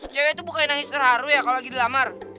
cewek tuh bukanya nangis terharu ya kalau lagi dilamar